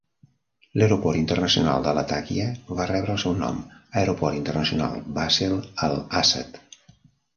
L'aeroport internacional de Latakia va rebre el seu nom, Aeroport Internacional Bassel Al-Àssad.